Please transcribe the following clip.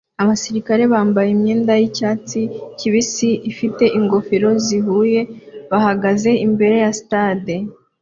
Abasirikare bambaye imyenda yicyatsi kibisi ifite ingofero zihuye bahagaze imbere ya stade